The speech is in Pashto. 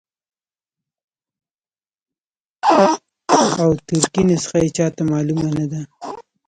او ترکي نسخه یې چاته معلومه نه ده.